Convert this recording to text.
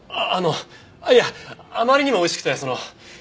ああのいやあまりにも美味しくてその。